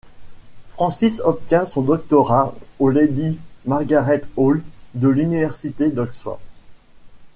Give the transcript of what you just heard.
Francis obtient son doctorat au Lady Margaret Hall de l'université d'Oxford.